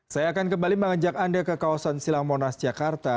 saya akan kembali mengejak anda ke kawasan silamonas jakarta